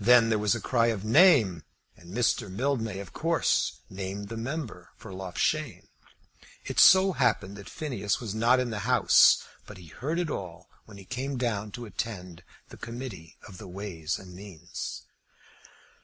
Then there was a cry of "name;" and Mr. Mildmay of course named the member for Loughshane. It so happened that Phineas was not in the House, but he heard it all when he came down to attend the Committee of Ways and Means.